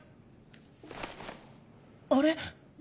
あれ？